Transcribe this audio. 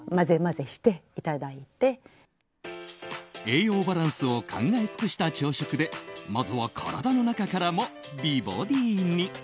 栄養バランスを考えつくした朝食でまずは体の中からも美ボディーに。